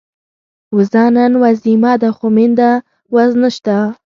وزه نن وزيمه ده، خو مينده وز نشته